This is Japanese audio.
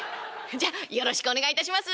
じゃよろしくお願いいたします」。